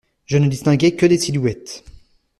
Je ne distinguai que des silhouettes.